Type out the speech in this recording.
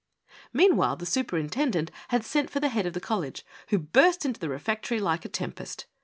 Meanwhile the superintendent had sent for the head of the college, who burst into the refectory like a tem pest.